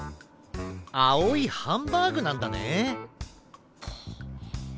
あおいハンバーグなんだね！